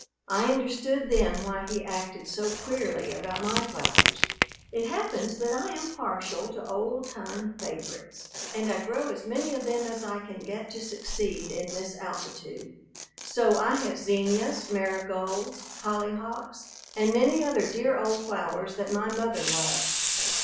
I understood then why he acted so queerly about my flowers. It happens that I am partial to old time favorites, and I grow as many of them as I can get to succeed in this altitude; so I have zinnias, marigolds, hollyhocks, and many other dear old flowers that my mother loved.